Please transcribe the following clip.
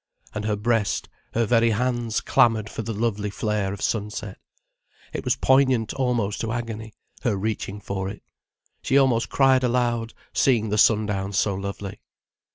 And her breast, her very hands, clamoured for the lovely flare of sunset. It was poignant almost to agony, her reaching for it. She almost cried aloud seeing the sundown so lovely.